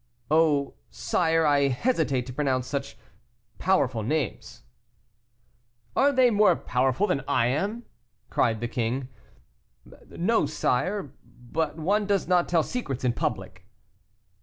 "Oh! sire, I hesitate to pronounce such powerful names." "Are they more powerful than I am?" cried the king. "No, sire; but one does not tell secrets in public."